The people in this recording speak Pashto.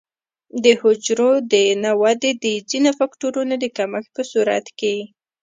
د حجرو د نه ودې د ځینو فکټورونو د کمښت په صورت کې.